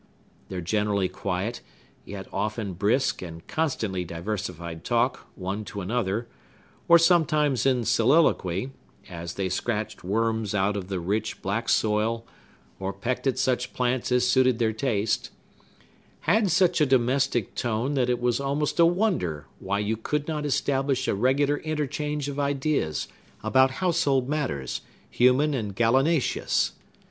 Their generally quiet, yet often brisk, and constantly diversified talk, one to another, or sometimes in soliloquy,—as they scratched worms out of the rich, black soil, or pecked at such plants as suited their taste,—had such a domestic tone, that it was almost a wonder why you could not establish a regular interchange of ideas about household matters, human and gallinaceous.